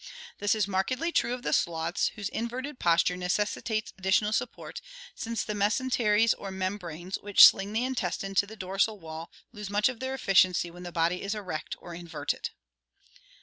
This is markedly true of the sloths, whose inverted posture necessitates additional support, since the mesenteries or membranes which sling the intestine to the dorsal wall lose much of their efficiency when the body is erect or inverted.